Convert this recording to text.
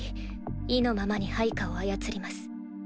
意のままに配下を操ります。